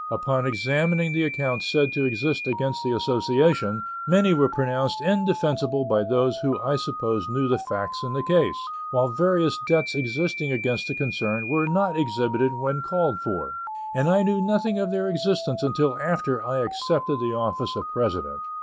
Upon examining the accounts said to exist against the Association, many were pronounced indefensible by those who I supposed knew the facts in the case, while various debts existing against the concern were not exhibited when called for, and I knew nothing of their existence until after I accepted the office of President.